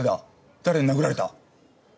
誰に殴られた？